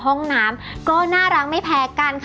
ห้องน้ำก็น่ารักไม่เพลกกัน